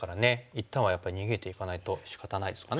一旦はやっぱり逃げていかないとしかたないですかね。